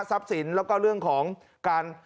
สินแล้วก็เรื่องของการ